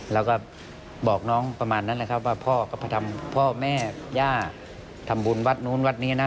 แล้วก็บอกน้องประมาณนั้นแหละครับว่าพ่อก็ไปทำพ่อแม่ย่าทำบุญวัดนู้นวัดนี้นะ